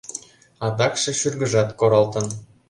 Адакше шӱргыжат коралтын...»